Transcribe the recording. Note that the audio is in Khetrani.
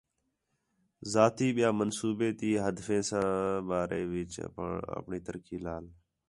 ذاتی ٻیا منصوبے تی ہدفیں ساں بارے وِچ آپݨی ترقی لال۔